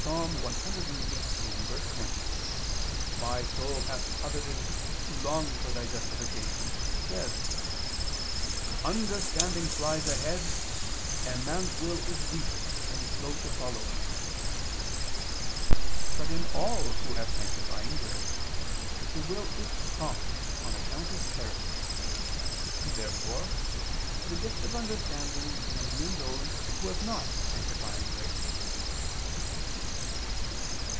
118:20: "My soul hath coveted to long for Thy justifications," says: "Understanding flies ahead, and man's will is weak and slow to follow." But in all who have sanctifying grace, the will is prompt on account of charity. Therefore the gift of understanding can be in those who have not sanctifying grace.